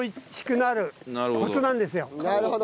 なるほど。